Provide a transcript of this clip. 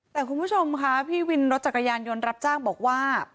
แต่คุณผู้ชมค่ะพี่วินรถจักรยานยนต์รับจ้างบอกว่า